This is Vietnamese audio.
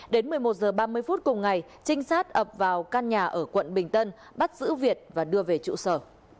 đến một mươi một h ba mươi phút cùng ngày trinh sát ập vào căn nhà ở quận bình tân bắt giữ việt và đưa về trụ sở